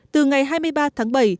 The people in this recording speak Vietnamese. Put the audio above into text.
từ ngày hai mươi ba tháng bảy